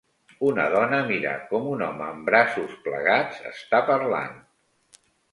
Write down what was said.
Una dona mira com un home amb braços plegats està parlant.